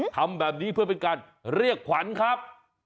ทำแบบนี้เพื่อเป็นการเรียกขวัญครับ